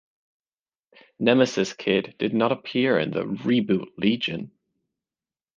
Nemesis Kid did not appear in the "reboot Legion".